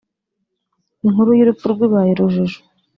Inkuru y’urupfu rwe ibaye urujijo